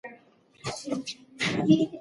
د بخل له امله د خلکو تر منځ فاصله زیږیږي.